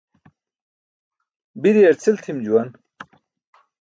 Biryar cʰil tʰim juwan.